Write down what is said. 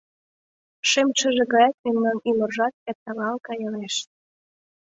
Шем шыже гаяк Мемнан ӱмыржат эрталал каялеш.